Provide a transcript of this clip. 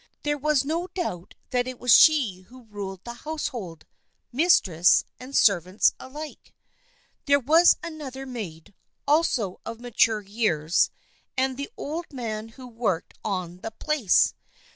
There was no doubt that it was she who ruled the household, mistress and servants alike. There was another maid, also of mature years, and the old man who worked on the place.